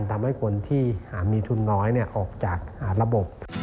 ทำให้คนที่หามีทุนน้อยออกจากระบบ